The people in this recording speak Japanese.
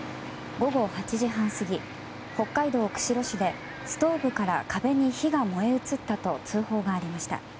午後８時半過ぎ、北海道釧路市でストーブから壁に火が燃え移ったと通報がありました。